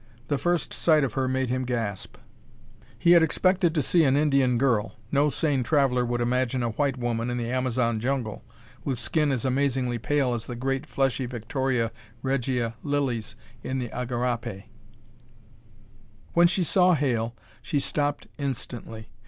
The first sight of her made him gasp. He had expected to see an Indian girl. No sane traveler would imagine a white woman in the Amazon jungle, with skin as amazingly pale as the great, fleshy victoria regia lilies in the igarapé. When she saw Hale, she stopped instantly.